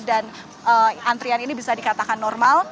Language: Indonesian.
dan antrian ini bisa dikatakan normal